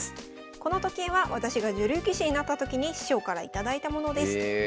この時計は私が女流棋士になった時に師匠から頂いたものです。